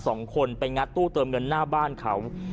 สองคนไปงัดตู้เติมเงินหน้าบ้านเขา